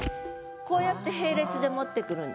こうやって並列で持ってくるんです。